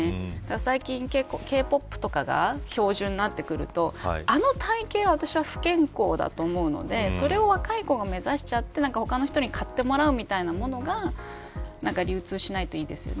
最近ＫーＰＯＰとかが標準になってくるとあの体型は不健康だと私は思うのでそれを若い子が目指して他の人に買ってもらうみたいなものが流通しないといいですよね。